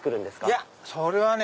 いやそれはね